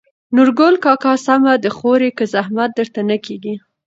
نورګل کاکا: سمه ده خورې که زحمت درته نه کېږي.